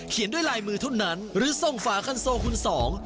ด้วยลายมือเท่านั้นหรือส่งฝาคันโซคุณสอง